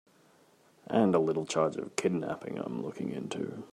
And a little charge of kidnapping I'm looking into.